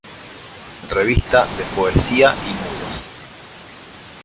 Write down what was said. Revista de Poesía y Nudos.